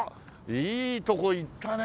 いいとこいったね。